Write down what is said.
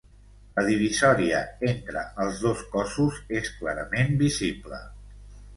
La divisòria entre els dos cossos és clarament visible.